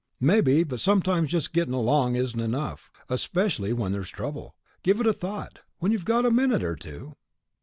"Maybe. But sometimes just gettin' along isn't enough. Especially when there's trouble. Give it a thought, when you've got a minute or two...."